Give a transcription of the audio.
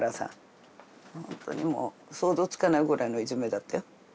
ほんとにもう想像つかないくらいのいじめだったよ。